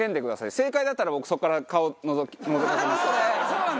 正解だったら僕そこから顔のぞかせます。